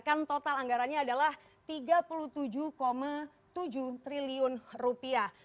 kan total anggarannya adalah tiga puluh tujuh tujuh triliun rupiah